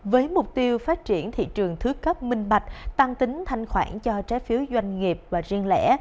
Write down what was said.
với mục tiêu phát triển thị trường thứ cấp minh bạch tăng tính thanh khoản cho trái phiếu doanh nghiệp và riêng lẻ